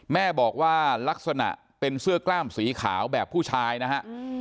แม่บอกว่าลักษณะเป็นเสื้อกล้ามสีขาวแบบผู้ชายนะฮะ